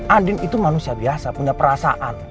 andin itu manusia biasa punya perasaan